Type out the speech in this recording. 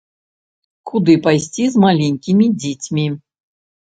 Куды пайсці з маленькімі дзецьмі?